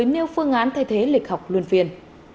nếu phương án thay thế lịch học luôn phiên